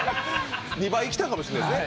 ２倍きたかもしれないですね